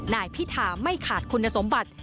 นายพิธาไม่ขาดคุณสมบัติ